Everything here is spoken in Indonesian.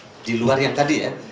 itu yang keluar yang tadi ya